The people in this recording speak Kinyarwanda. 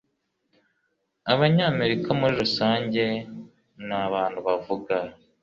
Abanyamerika muri rusange ni abantu bavuga.